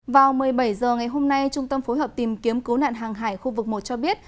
vào một mươi bảy h ngày hôm nay trung tâm phối hợp tìm kiếm cứu nạn hàng hải khu vực một cho biết